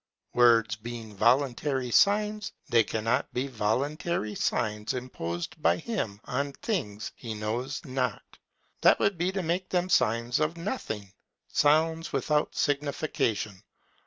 Words being voluntary signs, they cannot be voluntary signs imposed by him on things he knows not. That would be to make them signs of nothing, sounds without signification.